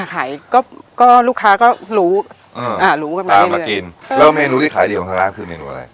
ขายก็ก็ลูกค้าก็รู้รู้กันไปตามมากินแล้วเมนูที่ขายดีของทางร้านคือเมนูอะไร